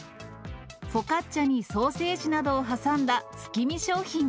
フォカッチャにソーセージなどを挟んだ月見商品。